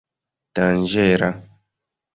danĝera